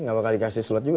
gak bakal dikasih slot juga